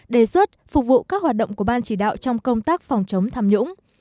đề xuất phục vụ các hoạt động của ban chỉ đạo trong công tác phòng chống tham nhũng